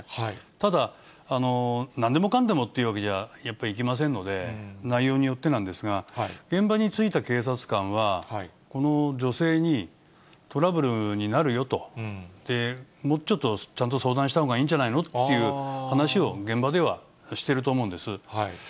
ただ、なんでもかんでもっていうわけじゃ、やっぱりいけませんので、内容によってなんですが、現場に着いた警察官は、この女性に、トラブルになるよと、もうちょっとちゃんと相談したほうがいいんじゃないのというような話を現場ではしてると思うんです。